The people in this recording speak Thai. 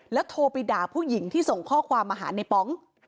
โทรไปด่าผู้หญิงที่ส่งข้อความมาหาในป๋อง